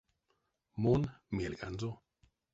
Мон — мельганзо.